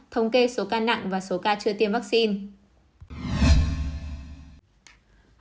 thống kê số ca nặng và số ca chưa tiêm vaccine